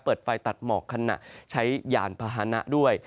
เปิดไฟตัดหมอกขณะใช้ยานพาหนะด้วย